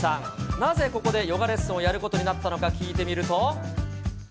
なぜここでヨガレッスンをやることになったのか、聞いてみると。